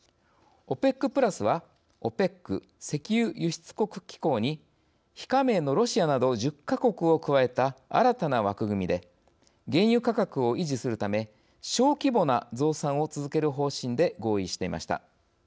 「ＯＰＥＣプラス」はＯＰＥＣ＝石油輸出国機構に非加盟のロシアなど１０か国を加えた新たな枠組みで原油価格を維持するため小規模な増産を続ける方針で合意していました。